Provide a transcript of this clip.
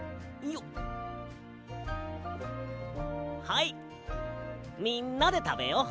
はいみんなでたべよう。